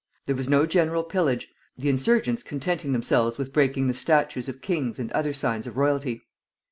There was no general pillage, the insurgents contenting themselves with breaking the statues of kings and other signs of royalty.